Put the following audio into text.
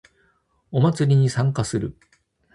お祭りに参加する